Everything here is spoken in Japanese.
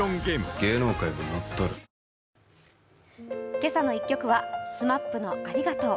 「けさの１曲」はＳＭＡＰの「ありがとう」。